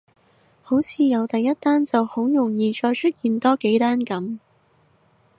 好似有第一單就好容易再出現多幾單噉